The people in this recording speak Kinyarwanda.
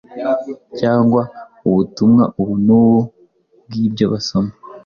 cyangwa ubutumwa ubu n‟ubu bw‟ibyo basoma.